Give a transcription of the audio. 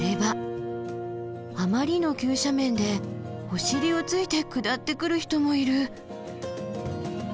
あまりの急斜面でお尻をついて下ってくる人もいる。